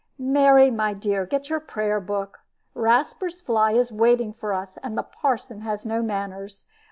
"Mary, my dear, get your prayer book. Rasper's fly is waiting for us, and the parson has no manners.